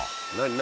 何？